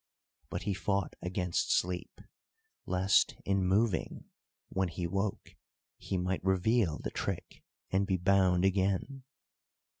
But he fought against sleep, lest in moving when he woke he might reveal the trick, and be bound again.